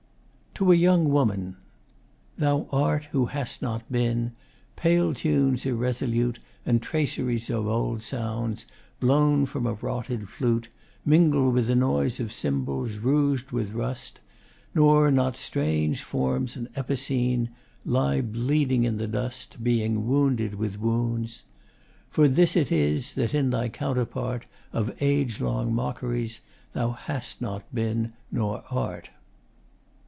TO A YOUNG WOMAN. Thou art, who hast not been! Pale tunes irresolute And traceries of old sounds Blown from a rotted flute Mingle with noise of cymbals rouged with rust, Nor not strange forms and epicene Lie bleeding in the dust, Being wounded with wounds. For this it is That in thy counterpart Of age long mockeries Thou hast not been nor art!